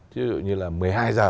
thí dụ như là một mươi hai h